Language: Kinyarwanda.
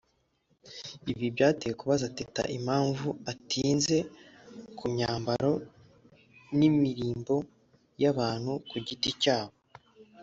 Ibi byanteye kubaza Teta impamvu atinze ku myambaro n’imirimbo y’abantu ku giti cyabo